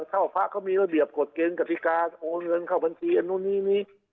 พระเขามีระเบียบกฎเกณฑ์กฎิกาโอนเงินเข้าบัญชีอันนู้นนี้นี้